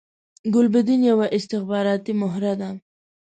ګلبدین یوه استخباراتی مهره ده